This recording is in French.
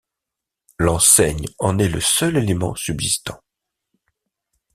L'enseigne en est le seul élément subsistant.